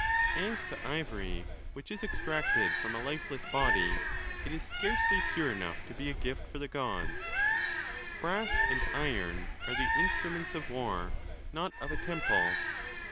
Asgto ivory, which' is extracted from a lifeless body, it is scarcely pure enough to be a gift for the Gods. Brass and iron are the instruments of war, not of a temple.